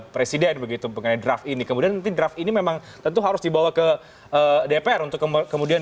presiden begitu mengenai draft ini kemudian nanti draft ini memang tentu harus dibawa ke dpr untuk kemudian